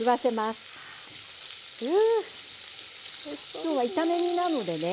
今日は炒め煮なのでね